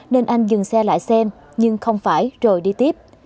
nên anh dừng xe lại xem nhưng không phải rồi đi tiếp